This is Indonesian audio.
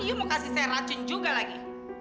iya mau kasih saya racun juga lagi